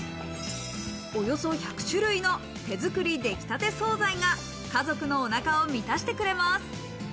およそ１００種類の手作りできたて惣菜が家族のお腹を満たしてくれます。